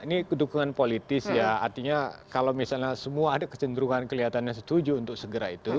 ini dukungan politis ya artinya kalau misalnya semua ada kecenderungan kelihatannya setuju untuk segera itu